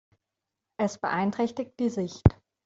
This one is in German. Es beeinträchtigt die Sicht.